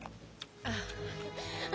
ああ。